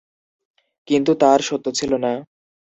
কিন্তু তা আর সত্য ছিল না।